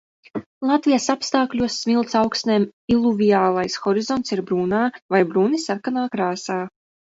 Latvijas apstākļos smilts augsnēm iluviālais horizonts ir brūnā vai brūni sarkanā krāsā.